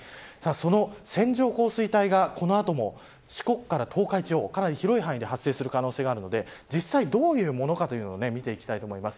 その線状降水帯が、この後も四国から東海地方かなり広い範囲で発生する可能性があるので実際どういうものなのかを見ていきたいと思います。